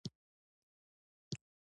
چای او موسکا، دواړه روح ته قوت ورکوي.